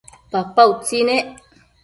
papa utsi nec